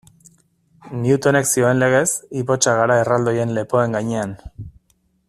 Newtonek zioen legez, ipotxak gara erraldoien lepoen gainean.